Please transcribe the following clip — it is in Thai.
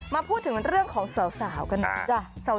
มาพูดถึงเรื่องของสาวกันนะ